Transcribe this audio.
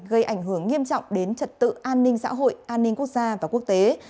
gây ảnh hưởng nghiêm trọng đến trật tự an ninh xã hội an ninh quốc gia và quốc tế